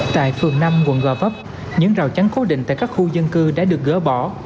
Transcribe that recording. tại phường năm quận gò vấp những rào chắn cố định tại các khu dân cư đã được gỡ bỏ